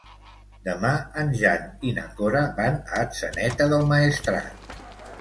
Demà en Jan i na Cora van a Atzeneta del Maestrat.